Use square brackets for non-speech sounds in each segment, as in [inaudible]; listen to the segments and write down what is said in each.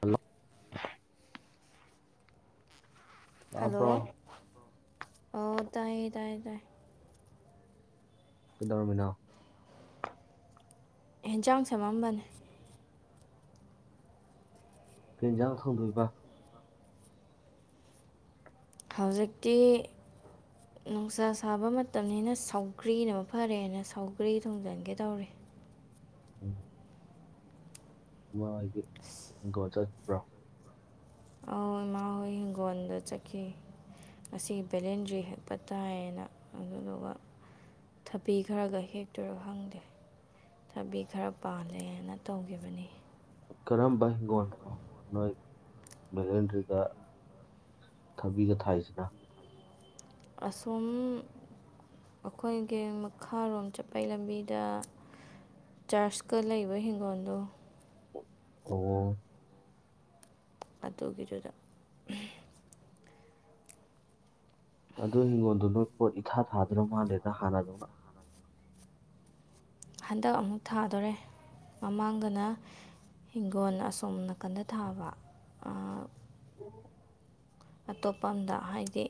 Hello. ꯇꯥꯕ꯭ꯔꯣ꯫ Hello ꯑꯣ ꯇꯥꯏꯌꯦ ꯇꯥꯏꯌꯦ ꯇꯥꯏ꯫ ꯀꯩꯗꯧꯔꯝꯃꯤ ꯅꯣ꯫ ꯍꯦꯟꯖꯥꯡ ꯁꯦꯝꯃꯝꯕꯅꯦ꯫ ꯀꯩꯏꯟꯖꯥꯡ ꯊꯣꯡꯗꯣꯏꯕ꯫ ꯍꯧꯖꯤꯛꯇꯤ ꯅꯨꯡꯁꯥ ꯁꯥꯕ ꯃꯇꯝꯅꯤꯅ ꯁꯧꯒ꯭ꯔꯤꯅ ꯃꯐꯔꯦꯅ ꯁꯧꯒ꯭ꯔꯤ ꯊꯣꯡꯖꯟꯒꯦ ꯇꯧꯔꯤ꯫ ꯎꯝ꯫ ꯏꯃꯥꯍꯣꯏꯗꯤ ꯍꯤꯡꯒꯣꯟ ꯆꯠꯈꯤꯕ꯭ꯔꯣ꯫ ꯑꯧ ꯏꯃꯥ ꯍꯣꯏ ꯍꯤꯡꯒꯣꯟꯗ ꯆꯠꯈꯤ ꯉꯁꯤ ꯕꯦꯂꯦꯟꯗꯔꯤ ꯍꯦꯛꯄ ꯇꯥꯏꯌꯦꯅ ꯑꯗꯨꯗꯨꯒ ꯊꯕꯤ ꯈꯔꯒ ꯍꯦꯛꯇꯣꯏꯔ ꯈꯪꯗꯦ ꯊꯕꯤ ꯈꯔ ꯄꯥꯜꯂꯦꯅ ꯇꯧꯈꯤꯕꯅꯤ꯫ ꯀꯔꯝꯕ ꯍꯤꯡꯒꯣꯟꯗꯅꯣ ꯅꯣꯏ꯫ ꯕꯦꯂꯦꯟꯗ꯭ꯔꯤꯒ ꯊꯕꯤꯒ ꯊꯥꯏꯁꯤꯅ꯫ ꯑꯁꯣꯝ ꯑꯩꯈꯣꯏꯒꯤ ꯃꯈꯥꯔꯣꯝ ꯆꯠꯄꯩ ꯂꯝꯕꯤꯗ ꯆꯔ꯭ꯆꯀ ꯂꯩꯕ ꯍꯤꯡꯒꯣꯟꯗꯣ꯫ ꯑꯣ꯫ ꯑꯗꯨꯒꯤꯗꯨꯗ꯫ ꯑꯗꯨ ꯍꯤꯡꯒꯣꯜꯗꯨ ꯅꯣꯏ ꯄꯣꯠ ꯏꯊꯥ ꯊꯥꯗꯅ ꯃꯥꯜꯂꯦꯗ ꯍꯥꯟꯅꯗꯧꯅ ꯍꯟꯗꯛ ꯑꯃꯨꯛ ꯊꯥꯗꯣꯔꯦ ꯃꯃꯥꯡꯗꯅ ꯍꯤꯡꯒꯣꯟꯜ ꯑꯁꯣꯝ ꯅꯥꯀꯟꯗ ꯊꯥꯕ ꯑꯇꯣꯞꯄ ꯑ ꯑꯃꯗ ꯍꯥꯏꯗꯤ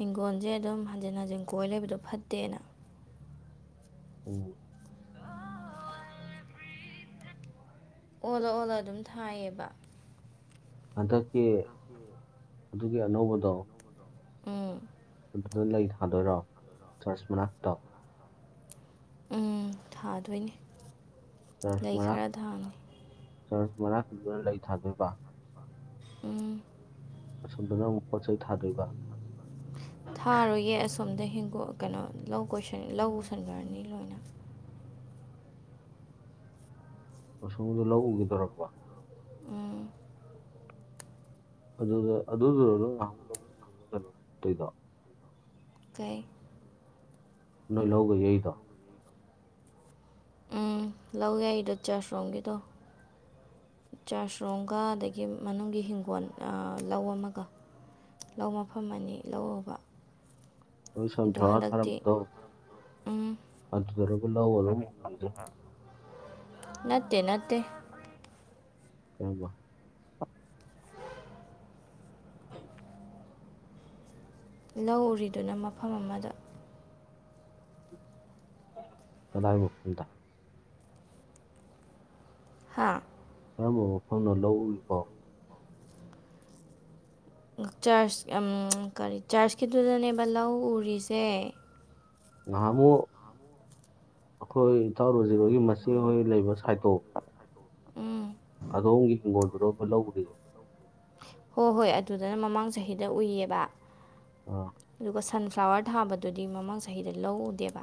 ꯏꯤꯡꯒꯣꯜꯁꯦ ꯑꯗꯨꯝ ꯍꯟꯖꯤꯟ ꯍꯟꯖꯤꯟ ꯀꯣꯏ ꯂꯩꯕꯗꯣ ꯐꯠꯇꯦꯅ ꯎꯝ ꯑꯣꯂꯣ ꯑꯣꯂꯥ ꯑꯗꯨꯝ ꯊꯥꯏꯌꯦꯕ ꯑꯗ ꯀ ꯑꯗꯨ ꯒꯤ ꯑꯅꯧꯕꯗꯣ ꯎꯝ ꯑꯗꯨꯅ ꯂꯩ ꯊꯥꯗꯣꯏꯔꯣ ꯆꯔꯆ ꯃꯅꯥꯛꯇ ꯎꯝ ꯊꯥꯗꯣꯏꯅꯦ ꯂꯩ ꯈꯔ ꯊꯥꯡꯉꯤ ꯆꯔꯁ ꯃꯔꯅꯥ ꯄꯤꯗꯨꯅ ꯂꯩ ꯊꯥꯗꯣꯏꯕ ꯎꯝ ꯑꯁꯣꯝꯗꯅ ꯑꯃꯨꯛ ꯄꯣꯠ ꯆꯩꯩ ꯊꯥꯗꯣꯏꯕ ꯊꯥꯔꯣꯏꯌꯦ ꯑꯁꯣꯝꯗ ꯍ ꯀꯩꯅꯣ ꯂꯧ ꯀꯣꯏ ꯂꯧ ꯎꯁꯟꯈ꯭ꯔꯅꯤ ꯂꯣꯏꯅ ꯃꯁꯗ ꯂꯧꯎꯒꯤꯗꯣꯔꯛꯄ ꯎꯝ ꯑꯗꯨꯗ ꯑꯗꯨ ꯑꯣꯏꯔ ꯎꯂꯇ ꯆꯩꯗ ꯀꯩ ꯅ ꯂꯧꯒ ꯌꯏꯗ ꯎꯝ ꯂꯧ ꯌꯥꯏꯗꯣ ꯆꯥꯁꯔꯣꯝꯒꯤꯗꯣ ꯆꯥꯁꯔꯣꯝꯒ ꯑꯗꯒꯤ ꯃꯅꯨꯡꯒꯤ ꯍꯤꯡꯒꯣꯜ ꯂꯧ ꯑꯃꯒ ꯂꯧ ꯃꯐꯝ ꯑꯅꯤ ꯂꯧꯕ ꯎ ꯁꯣꯊꯥꯥ ꯊꯔꯝꯄ ꯇꯣ ꯎꯝ ꯑꯔ ꯑꯣꯏ ꯃ ꯅꯠꯇꯦ ꯅꯠꯇꯦ ꯀꯧꯕ ꯂꯧ ꯎꯔꯤꯗꯨꯅ ꯃꯐꯝ ꯑꯃꯗ ꯀꯗꯥꯕꯨ ꯐꯗ ꯍꯥꯥ ꯀꯔꯝꯕ ꯃꯐꯝꯅꯣ ꯂꯧꯎꯔꯤꯅꯣ ꯆꯥꯔꯆ ꯀꯔꯤ ꯆꯥꯔꯆꯀꯤꯗꯨꯗꯅꯦꯕ ꯂꯧ ꯎꯔꯤꯁꯦ ꯉꯥꯏꯍꯥꯛ ꯑꯃꯨꯛ ꯑꯩꯈꯣꯏ ꯏꯇꯥꯎꯔꯣꯖꯤꯔꯣꯏꯒꯤ ꯃꯆꯦꯍꯣꯏ ꯂꯩꯕ ꯁꯥꯏꯠꯇꯣ ꯎꯝ ꯑꯗꯣꯝꯒꯤ ꯍꯤꯡꯒꯣꯜꯗꯨꯔꯣ ꯑꯃ ꯂꯧꯈꯔꯤꯁ ꯍꯣꯏ ꯍꯣꯏ ꯑꯗꯨꯗꯅ ꯃꯃꯥꯡ ꯆꯍꯤꯗ ꯎꯏꯌꯦꯕ ꯑꯥ ꯑꯗꯨꯒ ꯁꯥꯟꯐ ꯐ꯭ꯂꯥꯋꯔ ꯊꯥꯕꯗꯨꯗꯤ ꯃꯃꯥꯡ ꯆꯍꯤꯗ ꯂꯧꯎꯗꯦꯕ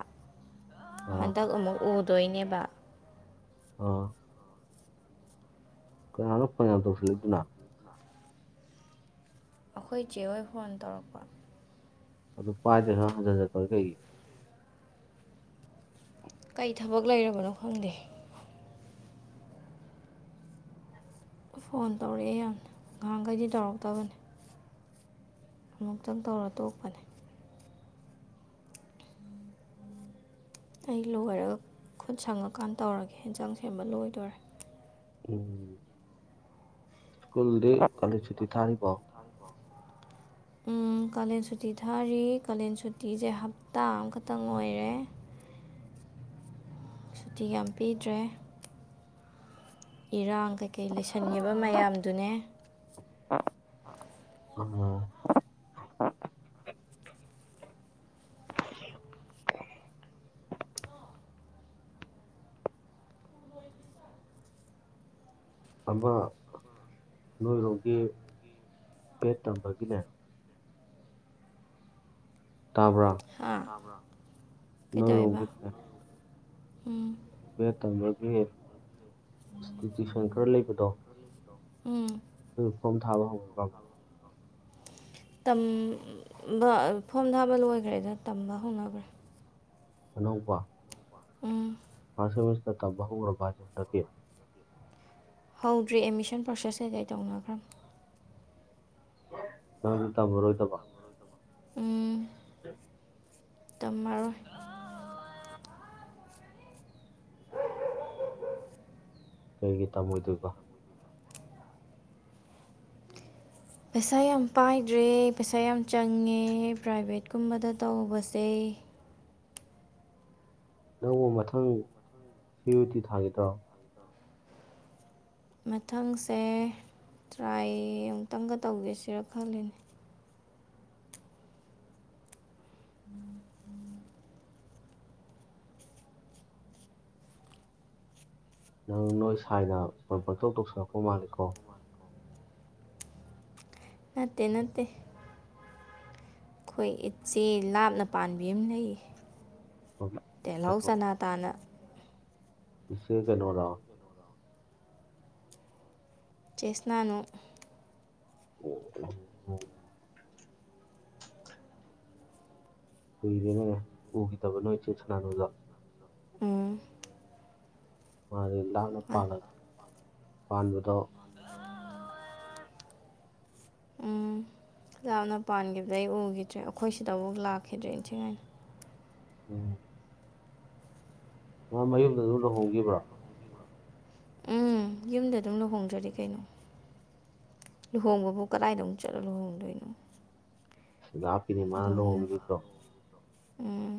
ꯑꯥ ꯍꯟꯗꯛ ꯎꯃꯨꯛ ꯎꯠ ꯇꯣꯏꯅꯦꯕ ꯑꯥ ꯀꯅꯥꯅꯣ ꯀꯅꯥ ꯇꯧꯁꯤꯜꯂꯗꯨꯅ ꯑꯩꯈꯣꯏ ꯆꯦ ꯍꯣꯏ ꯐꯣꯟ ꯇꯧꯔꯛꯄ ꯑꯗꯨ ꯄꯥꯏꯗ꯭ꯔꯦ ꯈꯔ ꯍꯟꯖꯤꯟꯖꯠꯇꯦ ꯀꯩꯒꯤ ꯀꯩ ꯊꯕꯛ ꯂꯩꯔꯕꯅꯣ ꯈꯪꯗꯦ ꯐꯣꯟ ꯇꯧꯔꯛꯑꯦ ꯌꯥꯝꯅꯤ ꯉꯍꯥꯟꯈꯩꯗꯤ ꯇꯧꯔꯛꯇꯕꯅꯦ ꯑꯃꯨꯛꯇꯪ ꯇꯧꯔ ꯇꯣꯛꯄꯅꯦ ꯑꯩ ꯂꯣꯏꯔꯒ ꯈꯨꯠ ꯁꯪꯉꯀꯥꯟ ꯇꯧꯔꯒꯦ ꯌꯦꯟꯖꯥꯡ ꯁꯦꯝꯕ ꯂꯣꯏꯗꯣꯔꯦ ꯎꯝ ꯁ꯭ꯀꯨꯜꯗꯤ ꯀꯣꯂꯦꯖꯨꯇꯤ ꯊꯥꯔꯤꯕꯣ ꯎꯝ ꯀꯥꯂꯦꯟ ꯁꯨꯇꯤ ꯊꯥꯔꯤ ꯀꯥꯂꯦꯟ ꯁꯨꯇꯤꯖꯦ ꯍꯞꯇꯥ ꯑꯃꯈꯛꯇꯪ ꯑꯣꯏꯔꯦ ꯁꯨꯇꯤ ꯌꯥꯝ ꯄꯤꯗ꯭ꯔꯦ ꯏꯔꯥꯡ ꯀꯩꯀꯩ ꯂꯩꯁꯟꯒꯤꯕ ꯃꯌꯥꯝꯗꯨꯅꯦ ꯑꯥ ꯑꯃ ꯅꯣꯏꯔꯣꯝꯒꯤ ꯕꯦꯠ ꯇꯝꯕꯒꯤꯅꯦ ꯇꯥꯕ꯭ꯔ ꯇꯥꯕ꯭ꯔ ꯀꯩꯗꯧꯋꯦꯕ ꯅꯣꯏꯔꯣꯝꯒꯤꯅꯦ ꯎꯝ ꯏꯁꯇꯤꯇ꯭ꯌꯨꯁꯟ ꯈꯔ ꯂꯩꯕꯗꯣ ꯎꯝ ꯑꯗꯨ ꯐꯣꯝ ꯊꯥꯕ ꯍꯧꯈ꯭ꯔꯖꯥꯠꯂꯣ ꯇꯝꯕ ꯐꯣꯝ ꯊꯥꯕ ꯂꯣꯏꯒ꯭ꯔꯦꯗ ꯇꯝꯕ ꯍꯧꯅꯒ꯭ꯔꯦ ꯑꯅꯧꯕ ꯎꯝ ꯐꯁ ꯁꯦꯃꯤꯁꯇꯔ ꯇꯝꯕ ꯍꯧꯒ꯭ꯔꯕꯣ ꯍꯥꯢꯖꯦ ꯍꯟꯗꯛꯀꯤ ꯍꯧꯗ꯭ꯔꯤ ꯑꯦꯃꯤꯁꯟ ꯄ꯭ꯔꯣꯁꯦꯁ ꯀꯩꯀꯩ ꯇꯧꯅꯈ꯭ꯔꯝ ꯅꯪ ꯇꯝꯃꯔꯣꯢꯗꯕ ꯎꯝ ꯃꯔꯣꯏ ꯀꯩꯒꯤ ꯇꯝꯃꯣꯏꯗꯣꯏꯕ ꯄꯩꯁꯥ ꯌꯥꯝ ꯄꯥꯏꯗ꯭ꯔꯦ ꯄꯩꯁꯥ ꯌꯥꯝ ꯆꯪꯉꯦ ꯄ꯭ꯔꯥꯏꯚꯦꯠꯀꯨꯝꯕꯗ ꯇꯧꯕꯁꯦ ꯅꯪꯕꯨ ꯃꯊꯪ ꯁꯤꯌꯨꯇꯤ ꯊꯥꯒꯤꯗ꯭ꯔꯣ ꯃꯊꯪꯁꯦ ꯇ꯭ꯔꯥꯏ ꯑꯃꯨꯛꯇꯪꯒ ꯇꯧꯒꯤꯁꯤꯔ ꯈꯪꯗꯦꯅꯦ ꯅꯪ ꯅꯣꯏ ꯁꯥꯏꯅ ꯐꯣꯟ ꯄꯪꯇꯧ ꯇꯧꯁꯜꯂꯛꯄ ꯃꯥꯜꯂꯤꯀꯣ ꯅꯠꯇꯦ ꯅꯠꯇꯦ ꯈꯣꯏ ꯏꯆꯦ ꯂꯥꯞꯅ ꯄꯥꯟꯕꯤ ꯑꯝ ꯂꯩꯌꯦ ꯃ- ꯇꯦꯜꯍꯧ ꯀꯩꯅꯣ ꯆꯅꯥ ꯇꯥꯅ ꯏꯆꯦ ꯀꯩꯅꯣꯔꯣ ꯆꯩꯁꯅꯥꯅꯨ [unintelligible] ꯀꯨꯏꯔꯦꯅꯦ ꯎꯈꯤꯗꯕ ꯅꯣꯏ ꯆꯦ ꯁꯅꯥꯅꯨꯗꯣ ꯎꯝ ꯃꯥꯗꯤ ꯂꯥꯞꯅ ꯑ ꯄꯥꯜꯂ ꯄꯥꯟꯕꯗꯣ ꯎꯝ ꯂꯥꯞꯅ ꯄꯥꯟꯒꯤꯕꯗꯩ ꯎꯈꯤꯗ꯭ꯔꯦ ꯑꯩꯈꯣꯏ ꯁꯤꯗꯕꯧ ꯂꯥꯛꯈꯤꯗ꯭ꯔꯦ ꯏꯟꯊꯤ ꯅꯨꯡꯉꯥꯏꯅ ꯎꯝ ꯃ ꯃꯌꯨꯝꯗ ꯑꯗꯨꯝ ꯂꯨꯍꯣꯡꯒꯤꯕ꯭ꯔꯥ ꯎꯝ ꯌꯨꯝꯗ ꯑꯗꯨꯝ ꯂꯨꯍꯣꯡꯗ꯭ꯔꯗꯤ ꯀꯩꯅꯣ ꯂꯨꯍꯣꯡꯕꯕꯨ ꯀꯔꯥꯏꯗ ꯑꯃꯨꯛ ꯆꯠꯂ ꯂꯨꯍꯣꯡꯗꯣꯏꯅꯣ ꯂꯥꯞꯄꯤꯅꯦ ꯃꯥꯅ ꯂꯨꯍꯣꯡꯕ ꯂꯨꯍꯣꯡꯉꯤꯗꯨꯁꯣ ꯎꯝ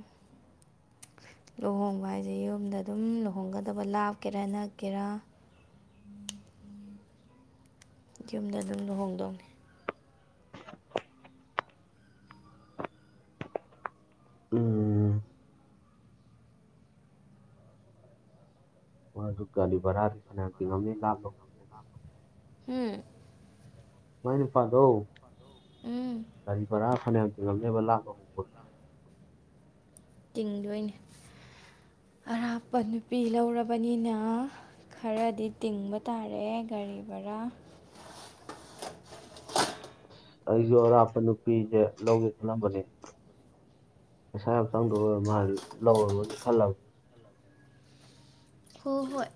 ꯂꯨꯍꯣꯡꯕ ꯍꯥꯏꯗꯤ ꯌꯨꯝꯗ ꯑꯗꯨꯝ ꯂꯨꯍꯣꯡꯒꯗꯕ ꯂꯥꯞꯀꯦꯔꯥ ꯅꯛꯀꯦꯔꯥ ꯌꯨꯝꯗ ꯑꯗꯨꯝ ꯂꯨꯍꯣꯡꯗꯧꯅꯤ ꯎꯝ ꯃꯥꯗꯨ ꯒꯥꯔꯤ ꯚꯔꯥꯗꯤ ꯐꯅ꯭ꯌꯥꯝ ꯇꯤꯡꯉꯝꯅꯤ ꯂꯥꯞꯅ ꯍꯣꯡꯕꯅꯤꯅ ꯍꯨꯝ ꯃꯥꯏ ꯅꯨꯄꯥꯗꯣ ꯎꯝ ꯒꯥꯔꯤ ꯚꯔꯥ ꯐꯅ꯭ꯌꯥꯝ ꯇꯤꯡꯉꯝꯅꯦꯕ ꯂꯥꯛꯕ ꯍꯣꯡꯕꯒꯤ ꯇꯤꯡꯗꯣꯏꯅꯦ ꯑꯔꯥꯞꯄ ꯅꯨꯄꯤ ꯂꯧꯔꯕꯅꯤꯅ ꯈꯔꯗꯤ ꯇꯤꯡꯕ ꯇꯥꯔꯦ ꯒꯥꯔꯤ ꯚꯔꯥ ꯑꯩꯖꯨ ꯑꯔꯥꯞꯄ ꯅꯨꯄꯤꯖꯦ ꯂꯧꯒꯦ ꯈꯜꯂꯝꯕꯅꯦ ꯄꯩꯁꯥ ꯌꯥꯝ ꯆꯪꯗꯧ ꯑꯣꯢꯔ ꯃꯥꯜ ꯂꯧꯔꯔꯣꯢꯒꯦ ꯈꯜꯂꯕꯅꯦ ꯍꯣꯏ ꯍꯣꯏ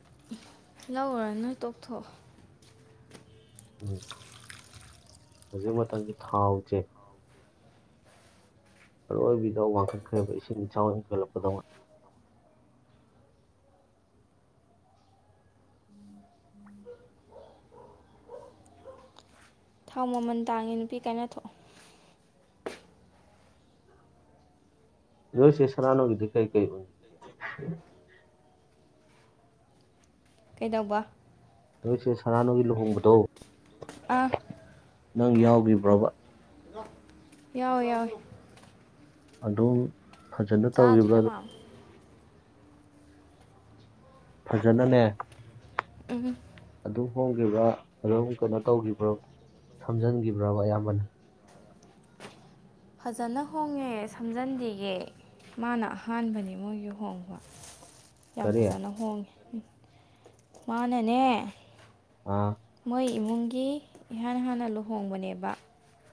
ꯂꯧꯔꯨꯔꯅꯨ ꯇꯣꯛꯊꯣꯛꯑꯣ ꯎꯝ ꯍꯨꯖꯤꯛ ꯃꯇꯝꯗꯤ ꯊꯥꯎꯖꯦ ꯑꯔꯣꯏꯕꯤꯗ ꯋꯥꯡꯈꯠꯈ꯭ꯔꯦꯕ ꯏꯁꯤꯡ ꯏꯆꯥꯎ ꯍꯦꯟꯈꯠꯂꯛꯄꯗꯧꯅꯤ ꯊꯥꯎ ꯃꯃꯟ ꯇꯥꯡꯉꯦ ꯅꯨꯄꯤ ꯀꯥꯏꯅꯊꯣꯛꯑꯣ ꯔꯣꯏꯁꯤ ꯁꯔꯅꯣꯒꯤꯗꯤ ꯀꯥꯏ ꯀꯩ ꯍ ꯀꯩꯗꯧꯕ ꯎꯆ ꯁꯔꯅꯒꯤ ꯂꯨꯍꯣꯡꯕ ꯇꯣ ꯑ ꯅꯪ ꯌꯥꯎꯕ꯭ꯔꯣꯕꯥ ꯌꯥꯎꯋꯦ ꯌꯥꯎꯋꯦ ꯑꯗꯨꯗꯣꯝ ꯐꯖꯅ ꯆꯥꯗ꯭ꯔꯤꯔ ꯇꯧꯈꯤꯕ꯭ꯔꯥꯣ ꯃꯥꯝꯃ ꯐꯖꯥꯅꯅꯦ ꯎꯝ ꯑꯗꯨꯝ ꯍꯣꯡꯈꯤꯕ꯭ꯔꯥ ꯑꯗꯨꯝ ꯀꯩꯅꯣ ꯇꯧꯈꯤꯕ꯭ꯔꯣ ꯁꯝꯖꯤꯟꯈꯤꯕ꯭ꯔꯕ ꯑꯌꯥꯝꯕꯅ ꯐꯖꯅ ꯍꯣꯡꯉꯦ ꯁꯝꯖꯤꯟꯗꯤꯒꯦ ꯃꯥꯅ ꯑꯍꯥꯟꯕꯅꯦ ꯃꯣꯏꯒꯤ ꯍꯣꯡꯕ ꯌꯥꯝ ꯀꯔꯤ ꯑꯥ ꯐꯖꯅ ꯍꯣꯡꯉꯦ ꯃꯥꯅꯅꯦ ꯑꯥ ꯃꯣꯏ ꯏꯃꯨꯡꯒꯤ ꯏꯍꯥꯟ ꯍꯥꯟꯅ ꯂꯨꯍꯣꯡꯕꯅꯦꯕ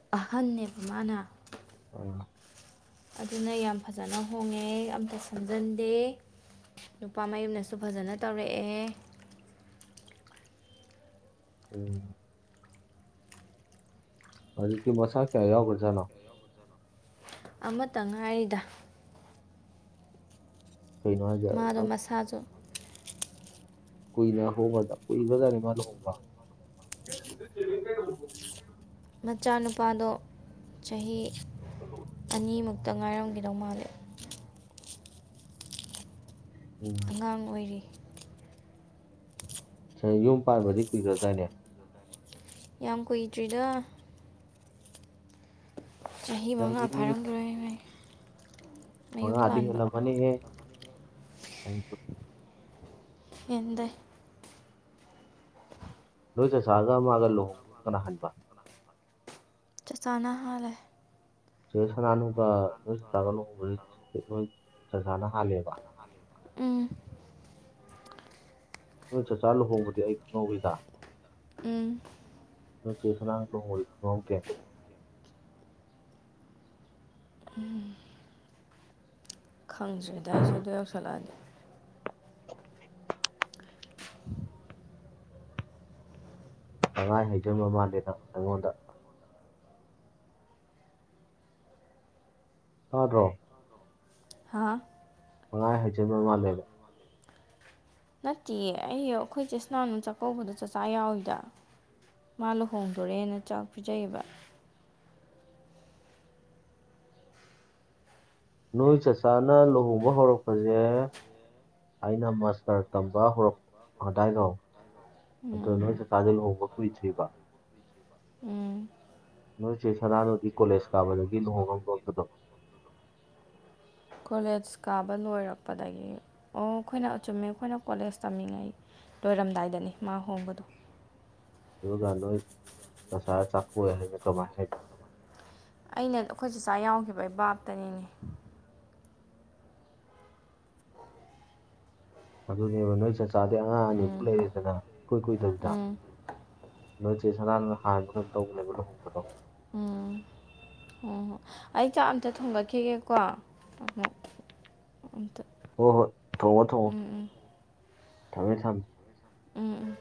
ꯑꯍꯟꯅꯦꯕ ꯃꯥꯅ [unintelligible] ꯑꯗꯨꯅ ꯌꯥꯝ ꯐꯖꯅ ꯍꯣꯡꯉꯦ ꯑꯝꯇ ꯁꯦꯝꯖꯤꯟꯗꯦ ꯅꯨꯄꯥ ꯃꯌꯨꯝꯅꯁꯨ ꯐꯖꯅ ꯇꯧꯔꯛꯑꯦ ꯎꯝ ꯍꯧꯖꯤꯛꯇꯤ ꯃꯆꯥ ꯀꯌꯥ ꯌꯥꯎꯒꯔ꯭ꯥ ꯖꯥꯠꯅꯣ ꯑꯃꯥꯇꯪ ꯉꯥꯏꯔꯤꯗ ꯀꯩꯅꯣ ꯍꯥꯏꯖꯦ ꯃꯥꯗꯣ ꯌꯥꯝ ꯃꯁꯥꯁꯨ ꯀꯣꯏꯅ ꯍꯒꯗ ꯀꯣꯏ ꯀꯔꯃꯅ ꯍꯎ ꯃꯆꯥꯅꯨꯄꯥꯗꯣ ꯆꯍꯤ ꯑꯅꯤꯃꯨꯛꯇ ꯉꯥꯏꯔꯝꯈꯤꯗꯧ ꯃꯥꯜꯂꯦ ꯎꯝ ꯑꯉꯥꯡ ꯑꯣꯏꯔꯤ ꯁ ꯌꯨꯝ ꯄꯥꯟꯕꯗꯤ ꯀꯨꯏꯈ꯭ꯔꯗꯥꯏꯅꯦ ꯌꯥꯝ ꯀꯨꯏꯗ꯭ꯔꯤꯗ ꯆꯍꯤ ꯃꯉꯥ ꯐꯥꯔꯝꯈꯤꯔꯣꯏ ꯏꯃꯥꯏ ꯃꯌꯨꯝ ꯄꯥꯟꯕ ꯑꯁꯨ ꯍꯦꯟꯗꯦ ꯅꯣꯏ ꯆꯥꯆꯥꯥꯔꯒ ꯑꯃꯒ ꯂꯨꯍꯣꯡꯒ ꯑꯃ ꯀꯅꯥ ꯍꯟꯕ ꯆꯆꯥꯥꯅ ꯍꯥꯜꯂꯦ ꯐꯦ ꯁꯅꯥꯅꯨ ꯁ ꯇꯥꯒꯅ ꯑꯣꯏ ꯑꯣ ꯅꯣꯏ ꯆꯆꯥꯅ ꯍꯥꯜꯂꯦꯕ ꯎꯝ ꯅꯣꯏ ꯆꯥꯛꯆꯥꯥ ꯂꯨꯍꯣꯡꯕꯗꯤ ꯑꯩ ꯈꯪꯍꯧꯋꯤꯗ ꯎꯝ ꯅ‌ꯣꯏ ꯆꯁꯂꯥꯡ ꯇ ꯑꯣꯀꯦ ꯈꯪꯗ꯭ꯔꯦꯗ ꯑꯩꯁꯨ ꯑꯗꯨ ꯌꯧꯁꯜꯂꯛꯑꯗꯤ ꯊꯉꯥꯏ ꯍꯩꯖꯕ ꯃꯥꯜꯂꯦꯗ ꯅꯪꯉꯣꯟꯗ ꯇꯥꯑꯥꯗ꯭ꯔꯣ ꯍꯥꯥ ꯄꯉꯥꯏ ꯍꯩꯖꯤꯟꯕ ꯃꯥꯜꯂꯦ ꯅꯠꯇꯤꯌꯦ ꯑꯩ ꯑꯩꯈꯣꯏ ꯆꯦꯁꯅꯥꯅꯅꯨꯡ ꯆꯥꯛꯀꯧꯕꯗꯣ ꯆꯥꯆꯥ ꯌꯥꯎꯏꯗ ꯃꯥ ꯂꯨꯍꯣꯡꯗꯣꯔꯦꯅꯥ ꯆꯥꯛ ꯄꯤꯖꯩꯌꯦꯕ ꯅꯣꯏ ꯆꯆꯥꯅ ꯂꯨꯍꯣꯡꯕ ꯍꯧꯔꯛꯄꯁꯦ ꯑꯩꯅ ꯃꯥꯁꯇꯔ ꯇꯝꯕ ꯍꯧꯔꯛꯄꯗꯥꯏꯐꯥꯎ ꯑꯗꯣ ꯎꯝ ꯅꯣꯏ ꯆꯥꯛꯆꯥꯁꯦ ꯂꯨꯍꯣꯡꯕ ꯀꯨꯏꯗ꯭ꯔꯤꯕ ꯎꯝ ꯅꯣꯏꯁꯦ ꯁꯅꯥꯅꯣꯗꯤ ꯀꯣꯂꯦꯖ ꯀꯥꯕꯗꯒꯤ ꯂꯨꯍꯣꯡꯉꯝꯗꯧꯇꯗꯣ ꯀꯣꯂꯦꯖ ꯀꯥꯕ ꯂꯣꯏꯔꯛꯄꯗꯒꯤ ꯑꯣ ꯑꯩꯈꯣꯏꯅ ꯑꯆꯨꯝꯃꯦ ꯑꯩꯈꯣꯏꯅ ꯀꯣꯂꯦꯖ ꯇꯝꯃꯤꯉꯩ ꯂꯣꯏꯔꯝꯗꯥꯏꯗꯅꯤ ꯃꯥ ꯍꯣꯡꯕꯗꯣ ꯑꯗꯨꯒ ꯅꯣꯏ ꯅꯁꯥ ꯆꯥꯛꯀꯎꯏ ꯍꯥꯏꯅ ꯀꯃꯥꯏꯅ ꯍꯥꯏꯅꯣ ꯑꯩꯅ ꯑꯩꯈꯣꯏ ꯆ ꯆꯥꯛ ꯌꯥꯎꯈꯤꯕ ꯑꯩ ꯕꯥꯞꯇꯅꯤꯅꯦ ꯑꯗꯨꯅꯦꯕ ꯅꯣꯏ ꯆꯥꯛꯆꯥꯗꯩ ꯑꯉꯥꯡ ꯑꯅꯤꯃꯨꯛ ꯎꯝ ꯂꯩꯔꯦꯗꯅ ꯏꯀꯨꯏ ꯀꯨꯏꯗꯕꯤꯗ ꯎꯝ ꯅꯣꯏ ꯆꯦꯁꯅꯥ ꯍꯥꯟꯕ ꯀꯩꯅꯣꯝ ꯇꯧꯕꯅꯦꯕ ꯂꯨꯍꯣꯡꯕꯗꯣ ꯎꯝ ꯍꯣꯏ ꯍꯣꯏ ꯑꯩ ꯆꯥꯛ ꯑꯝꯇ ꯊꯣꯡꯒꯠꯈꯤꯒꯦꯀꯣ ꯑꯃꯨꯛ ꯑꯝꯇ ꯍꯣ ꯍꯣꯏ ꯊꯣꯡꯉꯣ ꯊꯣꯡꯉꯣ ꯎꯝ ꯎꯝ ꯊꯃꯦ ꯊꯝꯃꯦ ꯎꯝ ꯎꯝ